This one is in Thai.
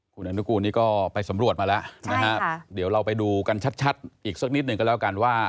คุณอนุกูลนี้ก็ไปสำรวจมาแล้วนะครับเดี๋ยวเราไปดูกันชัดอีกสักนิดหนึ่งก็แล้วกันว่า